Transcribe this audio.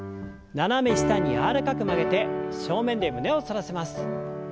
斜め下に柔らかく曲げて正面で胸を反らせます。